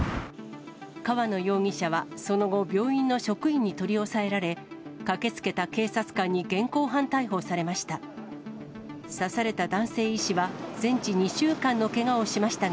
川野容疑者はその後、病院の職員に取り押さえられ、駆けつけた警察官に現行犯逮捕されました。